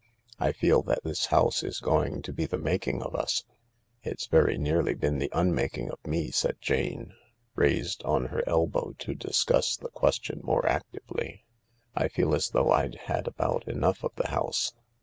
I feel that this house is going to be the making of us." " It's very nearly been the unmaking of me," said Jane, raised on her elbow to discuss the question more actively. " I feel as though I'd had about enough of the house.